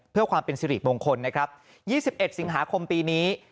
เพื่อความเป็นสิริมงคลนะครับ๒๑สิงหาคมปีนี้